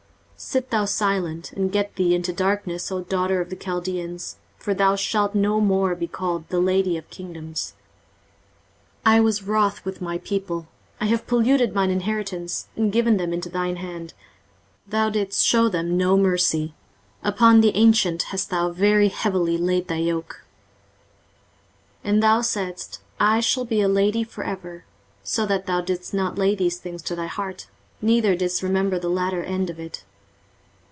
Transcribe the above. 23:047:005 Sit thou silent, and get thee into darkness, O daughter of the Chaldeans: for thou shalt no more be called, The lady of kingdoms. 23:047:006 I was wroth with my people, I have polluted mine inheritance, and given them into thine hand: thou didst shew them no mercy; upon the ancient hast thou very heavily laid thy yoke. 23:047:007 And thou saidst, I shall be a lady for ever: so that thou didst not lay these things to thy heart, neither didst remember the latter end of it.